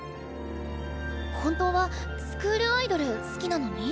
本当はスクールアイドル好きなのに？